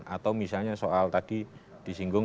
atau misalnya soal tadi disinggung